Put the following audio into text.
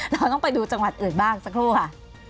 เราต้องไปดูจังหวัดอื่นบ้างสักครู่ค่ะ